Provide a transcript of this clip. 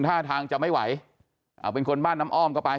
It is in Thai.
ท่าทางจะไม่ไหวเอาเป็นคนบ้านน้ำอ้อมก็ไป